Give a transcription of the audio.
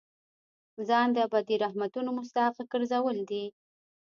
ځان د ابدي رحمتونو مستحق ګرځول دي.